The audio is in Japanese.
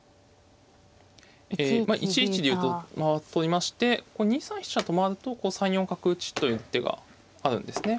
１一竜と取りまして２三飛車と回るとこう３四角打という手があるんですね。